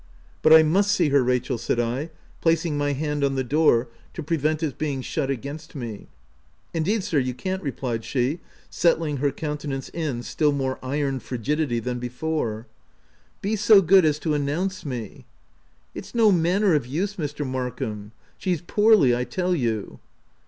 " But I must see her, Rachel," said I, placing my hand on the door to prevent its being shut against me. " Indeed, sir, you can't," replied she, settling her countenance in still more iron frigidity than before. OF WILDFELL HALL. 137 "Be so good as to announce me." " It's no manner of use, Mr. Markham ; she's poorly, I tell you."